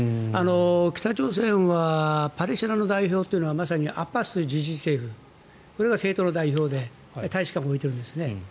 北朝鮮はパレスチナの代表というのはまさにアッバス自治政府これは政党の代表で大使館も動いているんです。